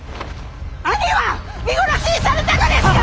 兄は見殺しにされたのですか！